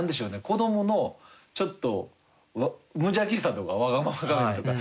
子どものちょっと無邪気さとかわがまま加減とか。